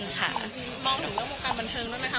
มองถึงเรื่องวงการบันเวิร์นน่ะนะคะ